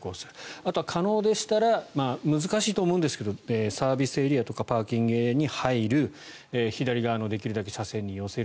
あとは可能でしたら難しいとは思うんですがサービスエリアとかパーキングエリアに入るできるだけ左側の車線に寄せる。